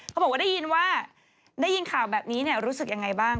เขาบอกว่าได้ยินว่าได้ยินข่าวแบบนี้รู้สึกยังไงบ้าง